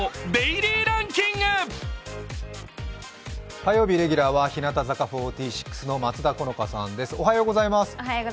火曜日レギュラーは日向坂４６の松田好花さんです。